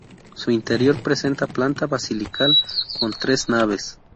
Su interior presenta planta basilical, con tres naves.